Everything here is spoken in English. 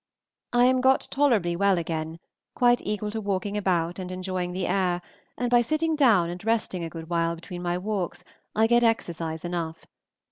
I am got tolerably well again, quite equal to walking about and enjoying the air, and by sitting down and resting a good while between my walks I get exercise enough.